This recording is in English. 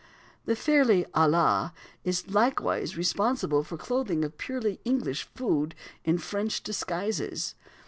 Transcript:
The fairy "Ala" is likewise responsible for the clothing of purely English food in French disguises.